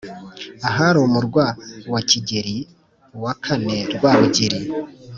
ahari umurwa wa kigeri wa iv rwabugili)